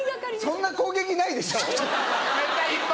そんな攻撃ないでしょ。